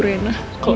terima kasih bu rena